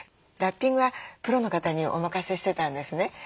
ラッピングはプロの方にお任せしてたんですね。